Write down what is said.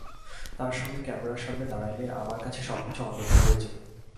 তাঁর সঙ্গে ক্যামেরার সামনে দাঁড়ালেই আমার কাছে সবকিছু অন্ধকার হয়ে যেত।